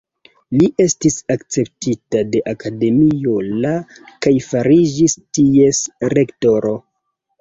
Li estis akceptita de Akademio la kaj fariĝis ties rektoro.